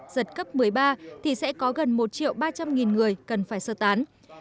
giật cấp một mươi ba thì sẽ có gần một triệu ba trăm linh người cần phải sơ tán